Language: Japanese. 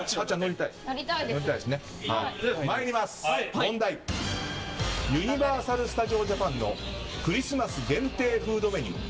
問題、ユニバーサル・スタジオ・ジャパンのクリスマス限定フードメニュー